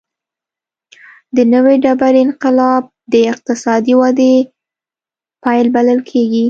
د نوې ډبرې انقلاب د اقتصادي ودې پیل بلل کېږي.